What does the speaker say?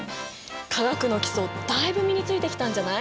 化学の基礎だいぶ身についてきたんじゃない？